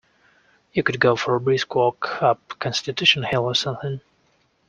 You could go for a brisk walk up Constitution Hill or something.